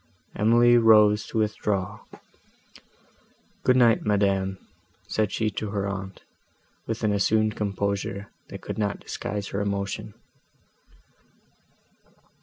Emily rose to withdraw. "Good night, madam," said she to her aunt, with an assumed composure, that could not disguise her emotion.